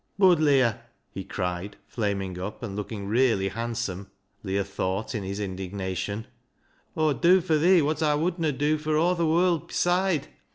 Bud, Leah," he cried, flaming up and looking really handsome, Leah thought, in his indignation, —" Aw'd dew fur thee wot Aw wouldna dew fur aw th' wold beside.